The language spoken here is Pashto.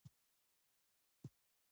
هغه آن د خپلو ملګرو حرص ته هم پام و نه کړ.